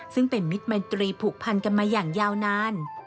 ซึ่งเป็นมิตรมัยตรีผูกพันกันมาอย่างยาวนาน